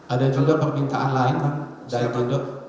ada juga permintaan lain dari dindo